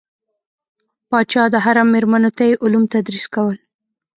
پاچا د حرم میرمنو ته یې علوم تدریس کول.